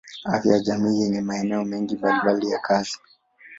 Afya ya jamii yenye maeneo mengi mbalimbali ya kazi.